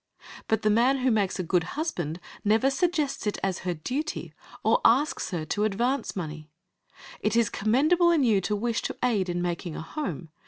But the man who makes a good husband never suggests it as her duty, or asks her to advance money. It is commendable in you to wish to aid in making a home.